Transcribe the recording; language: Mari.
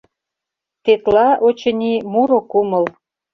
«Тетла, очыни, муро кумыл...»